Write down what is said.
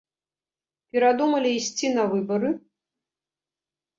Перадумалі ісці на выбары?